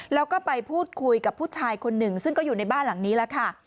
แล้วก็ไปพูดคุยกับผู้ชายคนหนึ่งซึ่งก็อยู่ในบ้านหลังนี้แล้วค่ะ